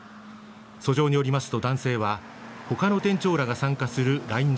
訴状によりますと男性は他の店長らが参加するＬＩＮＥ